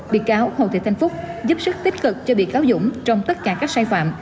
bị cáo hồ thị thanh phúc giúp sức tích cực cho bị cáo dũng trong tất cả các sai phạm